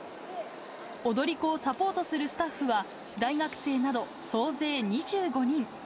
踊り子をサポートするスタッフは、大学生など総勢２５人。